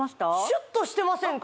シュッとしてませんか？